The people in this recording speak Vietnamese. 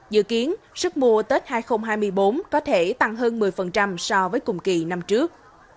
dự kiến sức mua tết hai nghìn hai mươi bốn có thể tăng hơn một mươi so với cùng kỳ năm trước